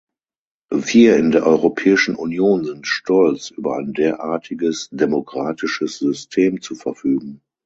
Wir in der Europäischen Union sind stolz, über ein derartiges demokratisches System zu verfügen.